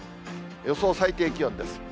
予想最低気温です。